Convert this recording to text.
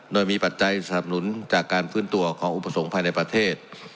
โดยมีปัจจัยสนับสนุนจากการฟื้นตัวของอุปสรรคภายในประเทศ